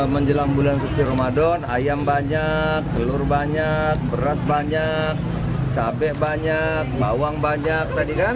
menjelang bulan suci ramadan ayam banyak telur banyak beras banyak cabai banyak bawang banyak tadi kan